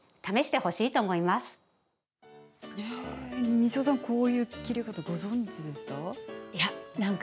西尾さん、こういう切り方はご存じでしたか。